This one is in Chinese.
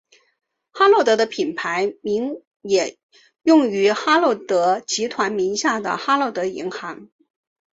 哈洛德的品牌名也用于哈洛德集团旗下的哈洛德银行。